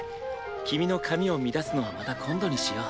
君の髪を乱すのはまた今度にしよう。